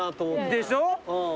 でしょ！